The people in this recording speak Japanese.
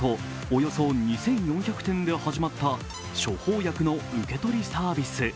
およそ２４００店で始まった処方薬の受け取りサービス。